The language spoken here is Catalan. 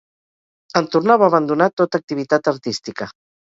En tornar va abandonar tota activitat artística.